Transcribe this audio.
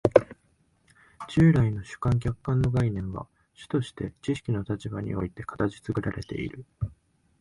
従来の主観・客観の概念は主として知識の立場において形作られている。